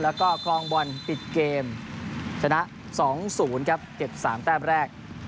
แล้วก็คลองบอลปิดเกมชนะ๒๐ครับเก็บ๓แต้มแรก